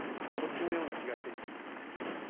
こっちのような気がしてきた。